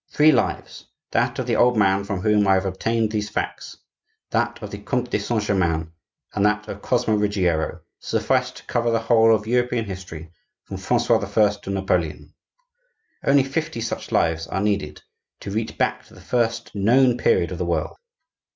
Three lives, that of the old man from whom I have obtained these facts, that of the Comte de Saint Germain, and that of Cosmo Ruggiero, suffice to cover the whole of European history from Francois I. to Napoleon! Only fifty such lives are needed to reach back to the first known period of the world.